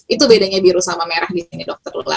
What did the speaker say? itu bedanya biru sama merah disini dokter lula